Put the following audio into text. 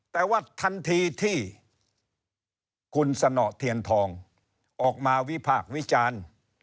แต่ว่าทันทีที่คุณสนเทียนทองออกมาวิพากษ์วิจารณ์